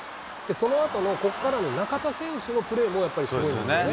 そのあとの、ここからの中田選手のプレーもやっぱりすごいですよね。